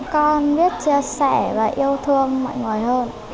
con biết chia sẻ và yêu thương mọi người hơn